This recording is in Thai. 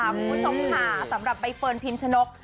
คุณผู้ชมขาสำหรับไปเฟิร์นพิมช์ชะนก